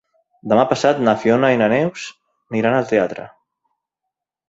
Demà passat na Fiona i na Neus aniran al teatre.